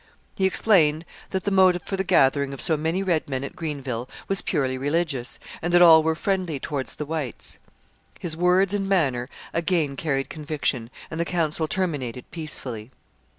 He explained that the motive for the gathering of so many red men at Greenville was purely religious, and that all were friendly towards the whites. His wards and manner again carried conviction, and the council terminated peacefully.